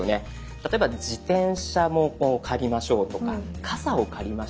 例えば自転車を借りましょうとかカサを借りましょう。